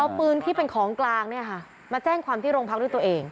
เอาปืนที่เป็นของกลางเนี่ยค่ะมาแจ้งความที่โรงพักด้วยตัวเอง